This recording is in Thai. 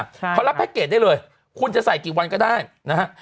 เขารับแพ็กเกจได้เลยคุณจะใส่กี่วันก็ได้นะฮะ